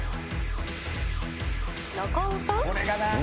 中尾さん？